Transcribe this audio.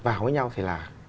vào với nhau thì là